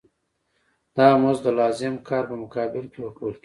دا مزد د لازم کار په مقابل کې ورکول کېږي